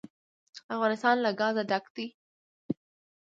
افغانستان له ګاز ډک دی.